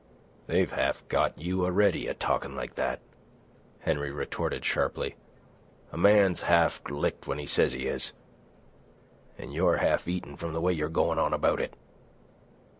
"They've half got you a'ready, a talkin' like that," Henry retorted sharply. "A man's half licked when he says he is. An' you're half eaten from the way you're goin' on about it."